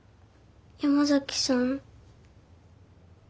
山崎さん。